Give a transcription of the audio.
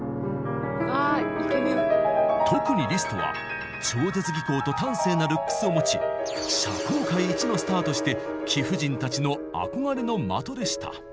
特にリストは超絶技巧と端正なルックスを持ち社交界一のスターとして貴婦人たちの憧れの的でした。